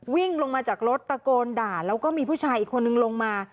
วิ่งลงมาจากรถตะโกนด่าแล้วก็มีผู้ชายอีกคนนึงลงมา